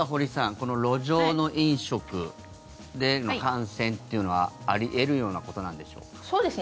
この路上の飲食での感染というのはあり得るようなことなんでしょうか。